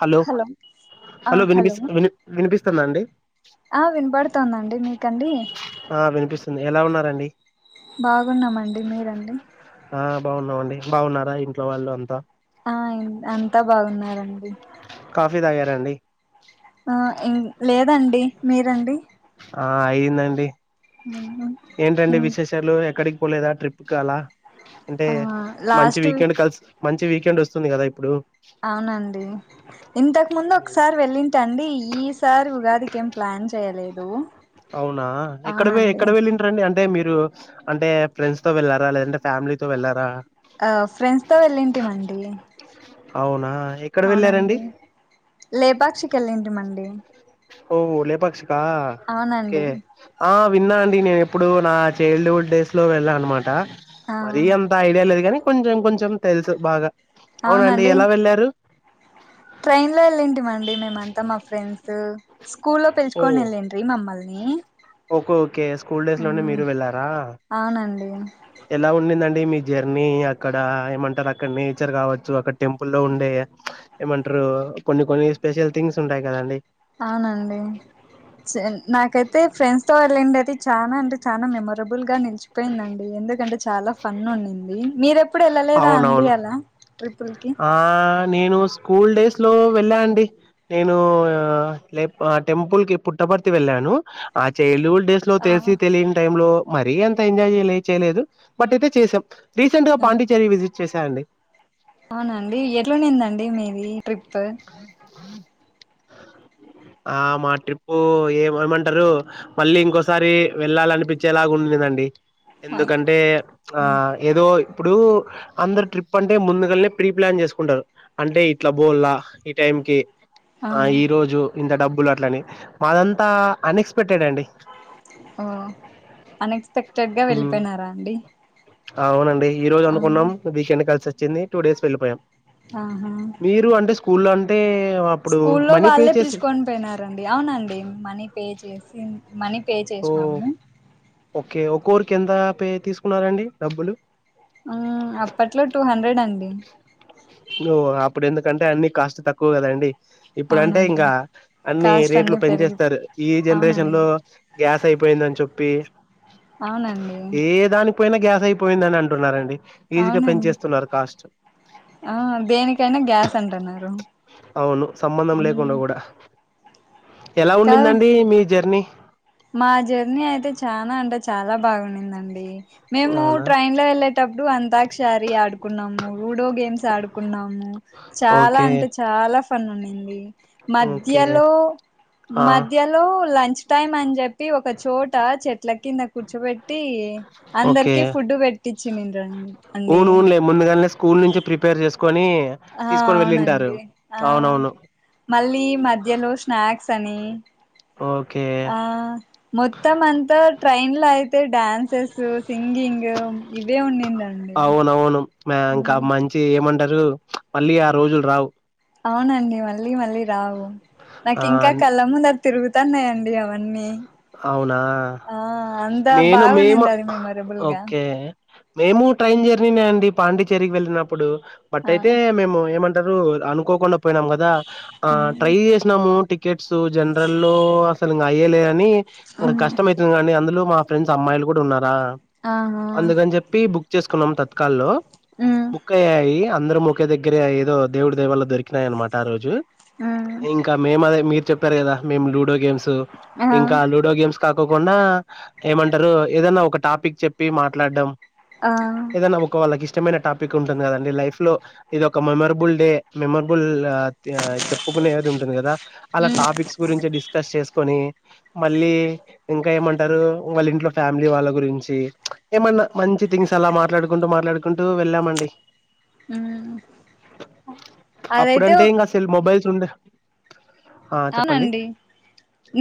Hello hello వినిపిస్ విని వినిపిస్తుందాండి ఆ వినపడుతాందండి మీకండి అండి బాగున్నమండి మీరండి ఆ బాగున్నామండి బాగున్నారా ఇంట్లో వాళ్ళు అంతా ఆ అంతా బాగున్నారండి కాఫీ తాగారా అండి ఆ ఏం లేదండి మీరండి ఆ ఏందండి ఏంటండి ఇం విశేషాలు ఎక్కడికి పోలేదా ట్రిప్కి అలా అంటే ఆ మంచి లాస్ట్ వీకెండ్ కలిసి మంచి వీకెండ్ వస్తుంది కదా ఇప్పుడు అవునండి ఇంతకు ముందు ఒకసారి వెళ్ళింటాండి ఈసారి ఉగాదికి ఏం ప్లాన్ చేయలేదు అవునా ఎక్కడ వె అవునండి ఎక్కడ వెళ్ళింటరండి అంటే మీరు మీరు అంటే ఫ్రెండ్స్ తో వెళ్ళారా లేదంటే ఫ్యామిలీ తో వెళ్ళారా ఆ ఫ్రెండ్స్ తో వెళ్ళుంటిమండి అవునా ఎక్కడ వెళ్ళారండి అవునండి లేపాక్షికి వెళ్ళుంటిమండి ఓ లేపాక్షికా ఓకే ఆ విన్నా అండి నేను ఎప్పుడు నా చైల్డ్హుడ్ డేస్ లో వెళ్ళా అన్నమాట ఆ మరీ అంత ఐడియా లేదు కానీ కొంచెం కొంచెం తెలుసు బాగా అవునండి ఎలా వెళ్లారు ట్రైన్ లో వెళ్ళింటిమండి మేమంతా మా ఫ్రెండ్స్ స్కూల్లో ఓ పిలుచుకొని వెళ్ళిండ్రి మమ్మల్ని ఓకే ఓకే స్కూల్ డేస్ లోనే మ్ మీరు వెళ్లారా అవునండి ఎలా ఉండిందండి మీ జర్నీ అక్కడ ఏమంటారు అక్కడ నేచర్ కావచ్చు అక్కడ టెంపుల్ లో ఉండే ఏమంటరు కొన్ని కొన్ని స్పెషల్ థింగ్స్ ఉంటాయి కదండి అవునండి నాకైతే ఫ్రెండ్స్ తో వెళ్ళింది అయితే చానా అంటె చానా మెమరబుల్ గా నిలిచిపోయిందండి ఎందుకంటే చాలా ఫన్ ఉండింది మీరె ప్పుడు వెళ్ళలేదా అండి అవునవును అలా ట్రిప్ ఆ నేను స్కూల్ డేస్ లో వెళ్ళా అండి నేను లే ఆ టెంపుల్ కి పుట్టపర్తి వెళ్ళాండి ఆ చిల్డహుడ్ డేస్ లో ఆ తెలిసి తెలియని టై లో మరీ ఎంత ఎంజాయ్ చేయలే చేయలేదు బట్ అయితే చేసాం రీసెంట్గా ఆ పాండిచ్చేరి విజిట్ చేశాయండి అవునండి ఎట్లానేందండి మీది ట్రిప్ ఆ మా ట్రిప్పు ఏమ ఏమంటారు మళ్ళీ ఇంకోసారి వెళ్ళాలనిపించేలాగా ఉండదండి ఎందుకంటే ఆ ఏదో ఇప్పుడు అందరు ట్రిప్ అంటే ముందుగాల్నే ప్రీప్లాన్ చేసుకుంటారు అంటే ఇట్లా బోల్లా ఈ టైం కి ఆ ఈ రోజు ఇంత డబ్బులు అట్లని మాదంతా అన్ ఓ అన్ఎక్స్పెక్టెడ్గా హ్మ్. వెళ్ళిపోయినారా అండి అవునండి ఈ రోజు ఆ అనుకున్నాం వీకెండ్ కలిసి వచ్చింది టూ డేస్ వెళ్ళీపోయాం ఆహా స్కూల్ అంటే అప్పుడు స్కూల్లో మనీ పే వాళ్ళే చేసి పిలుచుకొని పోయినారండి అవునండి మనీ పే చేసి మనీ పే ఓ చేసినాము ఓకే ఒకరికీ ఎంత పే తీసుకున్నారండి డబ్బులు అప్పట్లో టూ హండ్రెడ్ అండి ఓ అప్పుడు ఎందుకంటే అన్ని కాస్ట్ తక్కువ కదండి ఇప్పుడంటే అవునండి ఇంకా అన్ని కాస్ట్ రేట్లు పెరిగి పెనించేస్తారు ఈ జనరేషన్ అవునండి లో గ్యాస్ అయిపో పోయిందని చెప్పి అవునండి ఏ దానికి పోయినా గ్యాస్ అయిపోయిందని అంటున్నారండి ఈజీగా అవునండి పెంచేస్తున్నారు కాస్ట్ ఆ దేనికైనా గ్యాస్ అంటున్నారు అవును సంబంధం లేకుండా కూడా ఎలా కాదా ఉండిందండి మీ జర్నీ మా జర్నీ అయితే చనాా అంటే చాలా బాగుందండి మేము అవునా ట్రైన్ లో వెళ్ళేటప్పుడు అంతాక్షారీ ఆడుకున్నాము లుడో గేమ్స్ ఆడుకున్నాము చాలా ఓకే. అంటే చాలా ఫన్ ఉంది ఓకే. మధ్యలో ఆ! మధ్యలో లంచ్ టైమ్ అని చెప్పి ఒక చోట చెట్ల కింద కూర్చోబెట్ ఓకే. అందరికి ఫుడ్ పెట్టించి నారు అండి అవును అవునులే ముందుగానే స్కూల్ నుంచి ప్రిపేర్ చేసుకొని ఆ తీసుకొని వెళ్ళింటారు. అవునండి ఆ అవునవును. మళ్ళీ మధ్యలో స్నాక్స్ అని ఓకే. ఆ మొత్తం అంత ట్రైన్లో అయితే డడాన్సెస్ సింగింగ్ ఇవే ఉందండి అవునవును. ఇంకా మంచి ఏమంటారు మళ్ళీ ఆ రోజులు రావు అవునండి మళ్ళీ మళ్ళీ రావు నాకు ఆ! ఇంకా కళ్ళ ముంద తిరుగుతున్నాయండి అవన్నీ అవునా ఆ అంతా నేను మేము బాగుండింది అది మెమొరబుల్ గా ఓకే మేము ట్రైన్ జర్నీనే అండి పాండిచ్చేరికి వెళ్ళినప్పుడు బట్ ఆ అయితే మేము ఏమంట అనుకోకుండా పోయినాం కదా ఆ ట్రై చేసినాము టికెట్స్ జనరల్ అసలు ఇం అయ్యేలే అని ఇ ఉమ్ కష్టమ అవుతుంది కానీ అందులో మా ఫ్రెండ్స్ అమ్మాయిలు కూడా ఉన్నారా ఆ అందుకని చెప్పి బుక్ చేసుకున్నాం తత్కలలో ఉమ్ బుక్క్క అయ్యాయి అందరూ ఒకే దగ్గరే ఏదో దేవుడి దయా వాళ్ళ దొరికినాయి అనమాట ఆ రోజు ఉమ్ ఇంకా మేము అదే మీరు చెప్పారు కదా మేము లూడో గేమ్స్ ఆ ఇంకా లూడో గేమ్స్ కా తకుండా ఏమంటారు ఏదనా ఒక టాపిక్ చెప్పి మాట్లాడడం ఆ ఏదనా ఒక వల్ల ఇష్టం ఇష్టమైన టాపిక్ ఉంటుంది కదండి లైఫ్ లో ఇది ఒక మెమొరబుల్ డే మెమరబుల్ చెప్పుకునే ఏది ఉంటుంది కదా అలా ఉమ్ టాపిక్స్ గురించి డిస్కస్ చేసుకొని మళ్ళీ ఇంకా ఏమంటారు వాళ్ళ ఇంట్లో ఫ్యామిలీ వాళ్ళ గురించి ప్చ్ ఏమన్నా మంచి థింగ్స్ అలా మాట్లాడుకుంటూ మాట్లాడుకుంటూ వెళ్ళామండి ఊ అప్పుడంటే ఇంగసలు మొబైల్స్ ఉండ అవునండి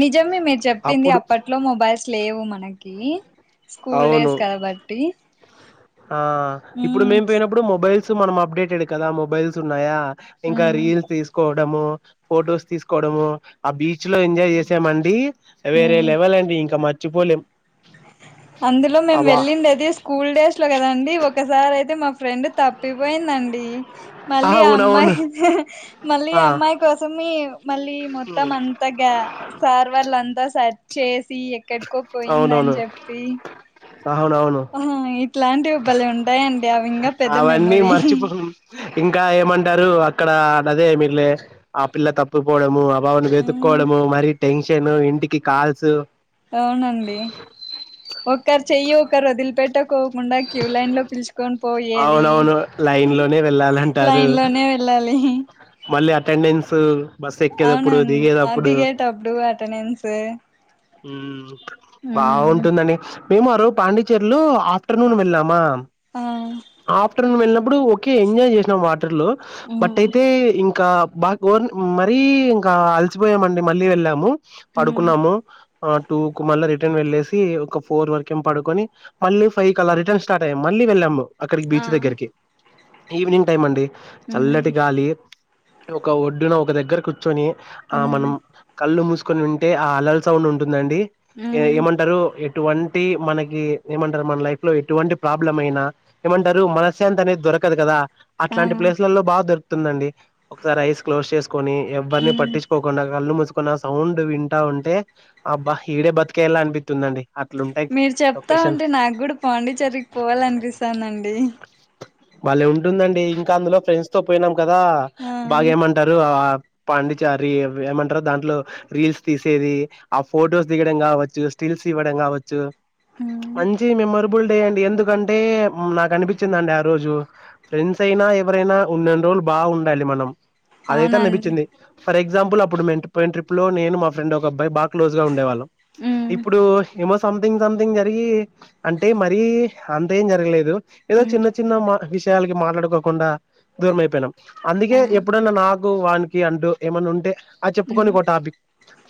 నిజేమే మీరు చెప్పింది అప్పుడు అప్పట్లో మొబైల్స్ లేవు మనకి కీ స్కూల్ అవును డేస్ కాబట్టి ఆ ఇప్పుడు ఉమ్ మేము పోయినప్పుడు మొబైల్స్ మనం అప్డేటెడ్ కదా మొబైల్స్ ఉన్నాయా ఇంకా ఉమ్ రీల్స్ తీసుకో డము ఫొటోస్ తీసుకోవడము ఆ బీచ్ లో ఎంజాయ్ చేసామండి వేరే ఉమ్ లెవలండి ఇంకా మర్చిపోలేం అందులో మేము అవా వెళ్లిందయితే స్కూల్ డేస్ లో కదండి ఒకసారి అయితే మాక్ ఫ్రెండ్ తప్పిపోయిందండి మళ్ళీ ఆ అమ్మాయి మళ్ళీ ఆ అమ్మాయి కోసమి మళ్ళీ మొత్తం అంతా గా సార్ వాళ్ళంతా సర్చ్ చేసి ఎక్కడికో పోయిందని చెప్పి హ అవునవును ఆహా ఇట్లాంటివి బలే ఉంటాయం అవన్నీ మర్చిపోను ఇంకా ఏమంటారు అక్కడ నదే మీరు లే ఆ పిల్ల తప్పుపోవడము వామను ఉమ్ వెతుకోవడము మరి టెన్షన్ ఇంటికి కాల్సు అవునండి ఒకరు చెయ్యి ఒకరు వదిలిపెట్టక్ కోకుండా క్యూ లైన్ లో పిలుచుకొన్ అవునవును లైన్ లోనే వెళ్ళాలంటారు లైన్ లోనే వెళ్ళాలి మళ్ళీ అటెండెన్స్ బస్ ఎక్కేటప్పుడు అవునండి అ దిగేటప్పుడు దిగేటప్పుడు అటెండెన్స్ ఊ ఉమ్ బాగుంటుందండి మేమరు పాండిచేర్లు ఆఫ్టర్నూన్ వెళ్ళామా ఆ ఆఫ్టర్నూన్ వెళ్ళినప్పుడు ఓకే ఎంజాయ్ చేసినాం వాట్ ర్ లో బట్ ఉమ్ అయితే ఇంకా బా ఓ మరీ ఇంకా అలసిపోయామండి మళ్ళీ వెళ్ళాము ఉమ్ పడుకున్నాము ఆ టూ కు మళ్ళీ రిటర్న్ వెళ్ళేసి ఒక ఫోర్ వరకేం పడుకొని మళ్ళీ ఫైవ్ క అలా రిటర్న్ స్టార్ట్ అయ్య మళీ లి వెళ్ళాము అక్కడికి ఆ బీచ్ దగ్గరికి ఈవినింగ్ టైం అండి ఉమ్ చల్లటి గాలి ఒక ఒడ్డున ఒక దగ్గర కూర్చుని ఆ ఉమ్ మనం కళ్ళు మూసుకొని ఉంటే ఆ అలల్ సౌండ్ ఉం ఉంటుందండి ఏ ఉమ్ ఏమంటరు ఏ ఎటువంటి మనకి ఏమంటరు మన లైఫ్ లో ఎటువంటి ప్రాబ్లం అయినా ఏమంటారు మనశాంతి అనేది దొర కదు కదా ఆ అట్లాంటి ప్లేస్లలో బాగా దొరుతుందండి ఒకసారి ఐస్ క్లోజ్ చేసుకొని ఎవ్వరిని ఉమ్ పట్టిుకోకుండా కళ్ళు ముసుకు కొని ఆ సౌండ్ వింటా ఉంటే అబ ఈడే బతకెయలా అనిపితుందండి అట్లుంటాయి మీరు చెప్తా లొకేషన్ ఉంటే నాకు కూడా పాండిచరికి పోవాలనిపిస్తాందండి బలే ఉంటుందండి ఇంకా అందులో ఫ్రెండ్స్ తో పోయినాం కదా ఆ బాగా ఏమంటారు ఆ పాండిచారి ఏమంటారు దాంట్లో రీల్స్ తీసేది ఆ ఫొటోస్ దిగడం కావచ్చు స్టిల్ ల్స్ ఇవ్వడం కావచ్చు ఉమ్ మంచి మెమరబుల్ డే అండి ఎందుకంటే నాకు అనిపిం చ్చిందండి ఆ రోజు ఫ్రెండ్స్ అయినా ఎవరైనా ఉన్న అన్ని రోజులు బాగా ఉండాలి మనం అదయితే అవునండి అనిపించింది ఫర్ ఎగ్జాంపుల్ అప్పుడు మేం పోయి ట్రిప్ లో నేను మా ఫ్రెండ్ ఒక అబ్బాయి బా క్లోజ్ గా ఉండేవాళ్ళం ఉమ్ ఇప్పుడు ఏమోస్ సంథింగ్ సంథింగ్ జరిగి అంటే మరీ అంత ఏం జరగలేదు ఏదో ఉమ్ చిన్న చిన్న మా విషయాలకి మాట్లాడుకోకుండా దూర అయిపోయినాం అందుకే ఆ ఎప్పుడన్నా నాకు వానికి అంటూ ఏమన్న ఉంటే అ చెప్పుకొని ఉమ్ ఒక టాపిక్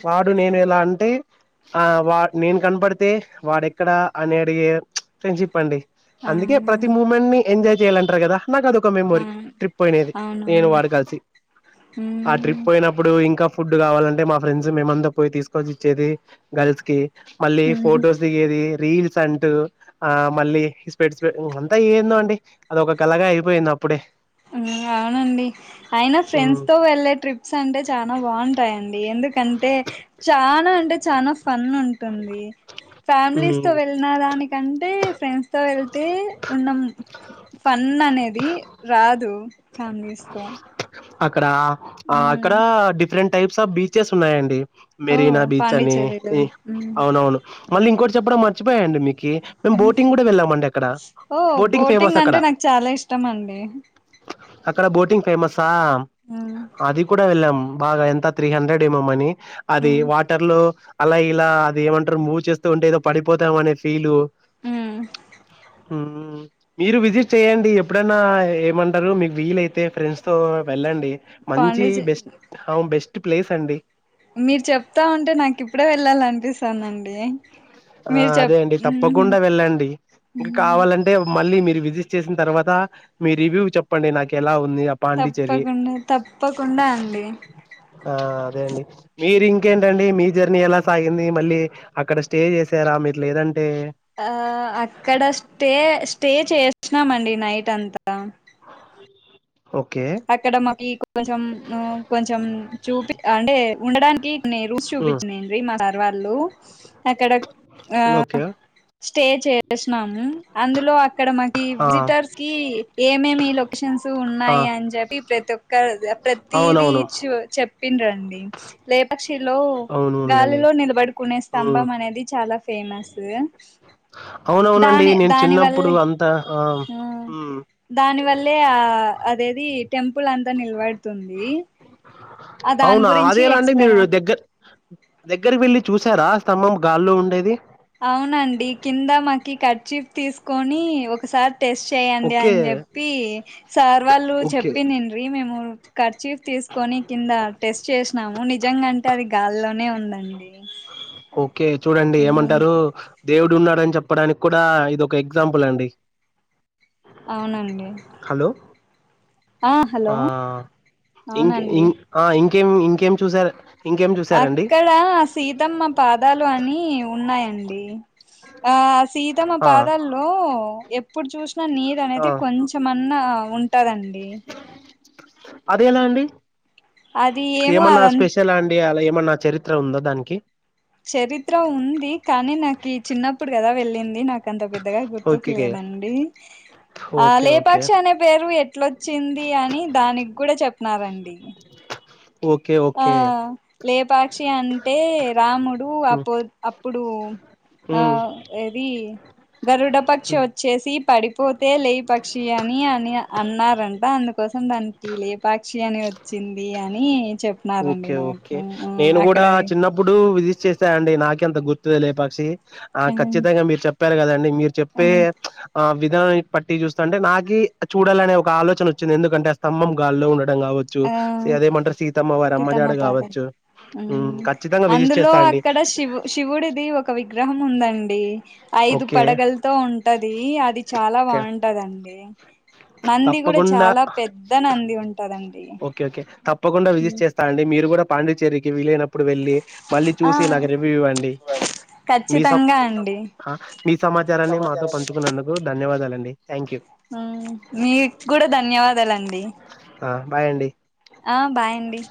వాడు నేను ఎలా అంటే ఆ వా నేను కనపడితే వాడెక్కడ అని అడిగే ప్చ్ ఫ్రెండ్షిప్ అండీ ఆవును ప్రతి మూమెం ని ఎంజాయ్ చేయాలంటరు కదా మాకదొక మెమోరీ. అవును ట్రిప్ పోయినది. నేను అవునండి వాడు కలిసి. ఆ ట్రిప్ మ్మ్ పోయినప్పుడు ఇంకా. ఫుడ్ కావాలంటే మా ఫ్రెండ్స్ మేమంతా పోయి తీసుకొచ్చి ఇచ్చేది గర్ల్స్ కి. మళ్ళీ మ్మ్ ఫొటోస్ దిగేది. రీల్స్ అంటూ ఆ మళ్ళీ స్పెడ్స్. అంతా ఏందో అండి అదొక కలగా అయిపోయింది అప్పుడే. మ్ అవునండి. అయిన ఉమ్ ఫ్రెండ్స్ తో వెళ్లేే ట్రిప్స్ అంటే చానా బాగుంటాయండి. ఎందుకంటే చానా అంటే చానా ఫన్ ఉంటుంది. ఉమ్ ఫ్యామిలీస్ తో వెళ్ళిన దానికంటే ఫ్రెండ్స్ తో వెళ్తే ఉన్నాం. ఫన్ అనేది రాదు ఫ్యామిలీస్ తో. అక్కడ ఆ మ్మ్ అక్కడ డిఫరెంట్ టైప్స్ ఆఫ్ బీచెస్ ఉన్నాయండి. ఓ మెరీనా బీచ్ అని పాండిచ్చేరిలో మ్మ్ అవునవును. మళ్ళీ ఇంకోటి చెప్పడం మర్చిపోయండి. మేం మ్మ్ బోటింగ్ కూడా వెళ్ళామండి అక్కడ. ఓ ఫేమస్ బోటింగ్ అంటే అక్కడ నాకు చాలా ఇష్టం అండి. అక్కడ బోటింగ్ ఫేమసా మ్మ్ అది కూడా వెళ్ళాం బాగా ఎంత త్రీ హండ్రెడ్ ఏమో మనీ. అది మ్మ్ వాటర్ లో అలా ఇలా అది ఏమంటారు మూవ్ చేస్తూ ఉంటే ఏదో పడిపోతాం అనే ఫీలు. మ్. మ్ మీరు విజిట్ చెయ్యండి. ఎప్పుడన్న ఏమంటారు మీకు వీలయితే ఫ్రెండ్స్. సో వెళ్ళండి మంచి పాండిచే బెస్ట్ హావ్ బెస్ట్ ప్లేస్ అండి. మీరు చెప్తా ఉంటే నాకు ఇప్పుడే వెళ్ళాలనిపిస్తందండి. ఆ అదే అండి తప్పకుండా వెళ్ళండి. ఇంకా కావాలంటే మళ్ళీ మీ. విజిట్ చేసిన తర్వాత మీ రివ్యూ చెప్పండి నాకు ఎలా. తప్పకుండా తప్పకుండా అండి. ఆ అదే అండి మీరు ఇంకేంటండి మీ జర్నీ ఎలా సాగింది మళ్ళీ అక్కడ స్టే. మీరు లేదం. ఆ అక్కడ స్టే స్టే చేసినామండి నైట్ అంతా. ఓకే అక్కడ మాకి కొంచెం కొంచెం చూపి అంటే ఉండడానికి. నేను హ్మ్. [unintelligible] మా సర్ వాళ్ళు అక్కడ ఆ. ఓకే. స్టే చేసినాం. అందులో అక్కడ మకి ఆ! విజిటర్స్ కి ఏమేమి లొకేషన్స్ ఆ! ఉన్నాయి. ప్రతి ప్రతొక్క ప్రతిదీ అవునవును. చెప్పిండ్రండీ. లో అవునవునులెండి. గాలిలో నిలబడుకునే హ్మ్. స్తంభం అనేది చాలా ఫేమస్. అవునవునండి దాని నేను దాని చిన్నప్పుడు వల్లే అంతా ఆ మ్. దాని వల్లే ఆ అదేది టెంపుల్ అంతా నిలబడుతుంది ఆ దాని అవునా గురించి అదేలా అండి మీరు ఎక్స్ప్లెయిన్ దెగ్గర దగ్గరికి వెళ్ళి చూసారా స్తంభం గాల్లో ఉండేది అవునండి కింద మాకి కర్చీఫ్ తీసుకొని ఒకసారి టెస్ట్ చేయండి ఓకే. అని చెప్పి సార్ వాళ్ళు ఓకే. చెప్పినిండ్రి మేము ఖర్చీఫ్ తీస్ కింద టెస్ట్ చేసినాము నిజంగాంటే అది గాల్లోనే ఉందండి. ఓకే చూడండి మ్ ఏమంటారు. దేవుడు ఉన్నాడని చెప్పడానికి కూడా ఇదొక ఎగ్జాంపుల్ అండి. అవునండి హలో! ఆ ఇంకె అవునండి ఇం ఆ ఇంకేం ఇంకేం చూసారు ఇంకేం చూసారండి? అక్కడా సీత సీతమ్మ పాదాలు అని ఉన్నాయండి ఆ సీతమ్మ ఆ! పాదాల్లో ఎప్పుడు చూసినా నీరు ఆ! అనేది కొంచెమన్నా ఉన్ వుంటాదండి అదెలా అండి? ఏమన్నా అదం స్పెషల అండి అలా ఏమన్నా చరిత్ర ఉందా దానికి చరిత్ర ఉంది కానీ నాకు ఈ చిన్నప్పుడు కదా వెళ్ళింది నాకు అంత పెద్దగా ఓకేకే గుర్తుకులేదండి ఆ ఓకే ఓకే లేపాక్షి అనే పేరు ఎట్లొచ్చింది అని దానికి కూడా చెప్నారండి ఓకే ఆ ఓకే లేపాక్షి అంటే రాముడు హ్మ్ అపో అప్పుడు ఆ హ్మ్ ఏది గరుడ పక్షి హ్మ్ వచ్చేసి పడిపోతే లే పక్షి అని అని అన్నారంట అందుకో సం దానికి లేపాక్షి అని వచ్చింది అని చెప్ ఓకే ఓకే నేను కూడా చిన్నప్పుడు విజి చేస్తా అండి నాకెంత గుర్తుద లే పక్షి ఆ ఖచ్చితంగా మీరు చెప్పారు కదండి మీరు ఆ ఆ చెప్పే ఆ విధానాన్ని పట్టి చూస్తుంటే నాకీ చూడాలనే ఒక ఆలోచన వచ్చింది ఎందుకంటే ఆ స్తంభం గాల్లో ఉం డం కావచ్చు ఆ అదేమంటర్ సీత్ సీతమ్మ పాలర్ హ్మ్ ఉమ్ ఖచ్చితంగా విజిట్ అందులో చేస్తా అండి అక్కడ శివ్ శివుడిది ఒక విగ్ గ్రహం ఉందండి ఐదు ఓకే పడగలతో ఉంటది అది చాలా ఓకే బాగుంటదండి నంది కూడా తప్పకుండా చాలా పెద్ద నంది ఉంటదం ఓకే ఓకే తప్పకుండా విజిట్ చేస్తా అండి మీరు కూడా పాండిచ్చేర్రి విలైనప్పుడు వెళ్ళి మళ్ళీ ఆ చూసి నాకు రివ్యూ ఇవ్వండి మీ ఖచ్చితంగా సప్ అండి హా సమాచారాన్ని మాతో పంచుకున్నందుకు ధన్యవాదాలం మ్ మీక్ కూడా ధన్యవాదాలండి ఆ బాయ్ అండి ఆ బాయ్ అండి